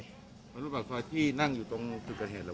วัยรุ่นปากซอยที่นั่งอยู่ตรงตึกกันเห็นหรือว่า